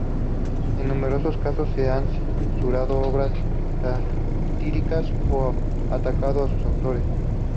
En numerosos casos se han censurado obras satíricas, o atacado a sus autores.